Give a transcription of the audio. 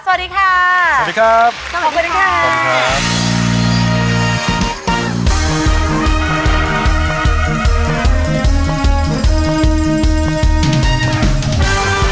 สวัสดีค่ะขอบคุณครับขอบคุณครับขอบคุณครับ